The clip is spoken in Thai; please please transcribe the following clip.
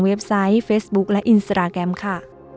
ไซต์เฟซบุ๊คและอินสตราแกรมค่ะ